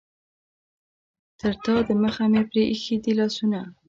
تر تا دمخه مې پرې ایښي دي لاسونه.